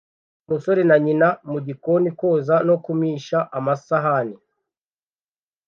Umusore na nyina mugikoni koza no kumisha amasahani